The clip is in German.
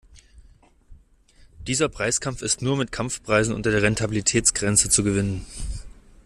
Dieser Preiskampf ist nur mit Kampfpreisen unter der Rentabilitätsgrenze zu gewinnen.